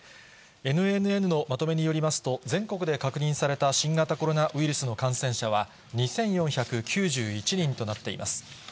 ＮＮＮのまとめによりますと、全国で確認された新型コロナウイルスの感染者は、２４９１人となっています。